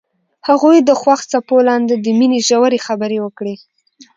هغوی د خوښ څپو لاندې د مینې ژورې خبرې وکړې.